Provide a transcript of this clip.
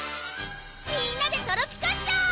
みんなでトロピカっちゃおう！